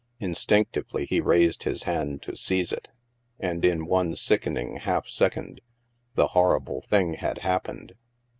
Instinctively, he raised his hand to seize it. And in one sickening half second, the horrible thing had happened.